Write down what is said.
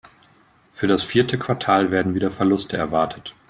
Für das vierte Quartal werden wieder Verluste erwartet.